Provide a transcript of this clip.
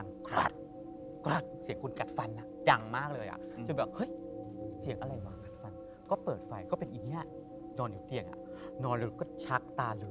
นอนอยู่แล้วก็ชักตาเหลืองนอกนอก